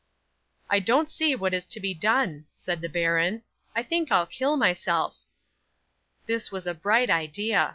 '"I don't see what is to be done," said the baron. "I think I'll kill myself." 'This was a bright idea.